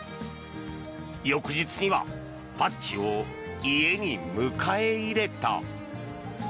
翌日にはパッチを家に迎え入れた。